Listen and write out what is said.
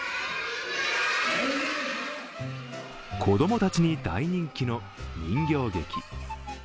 子供たちに大人気の人形劇。